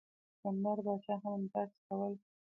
سکندر پاچا هم همداسې کول.